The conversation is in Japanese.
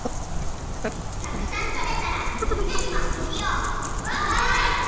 たくさんとれたらみんなにもあげるよ。わい！